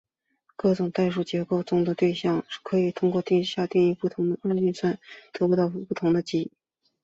各种代数结构中的对象可以通过定义不同的二元运算得到不同的积。